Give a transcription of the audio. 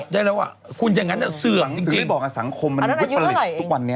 ได้แล้วคุณอย่างนั้นจะเสื่อมจริงถึงไม่บอกว่าสังคมมันวิปริศทุกวันนี้